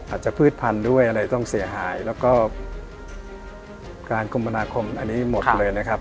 อาจจะพืชพันธุ์ด้วยอะไรต้องเสียหายแล้วก็การคมนาคมอันนี้หมดเลยนะครับ